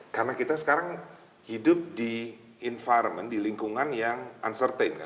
karena kita sekarang hidup di environment di lingkungan yang uncertain